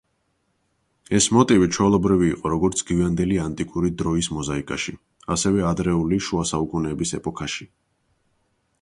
ეს მოტივი ჩვეულებრივი იყო როგორც გვიანდელი ანტიკური დროის მოზაიკაში, ასევე ადრეული შუასაუკუნეების ეპოქაში.